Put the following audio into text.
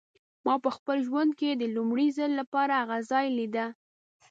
ما په خپل ژوند کې د لومړي ځل لپاره هغه ځای لیده.